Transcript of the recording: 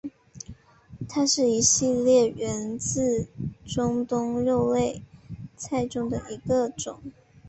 它是一系列源自中东的肉类菜中的一种。